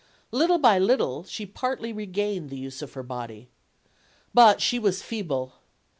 Little by little she partly regained the use of her body. But she was feeble.